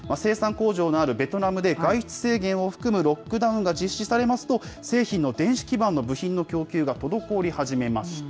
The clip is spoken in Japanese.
生産工場のあるベトナムで、外出制限を含むロックダウンが実施されますと、製品の電子基板の部品の供給が滞り始めました。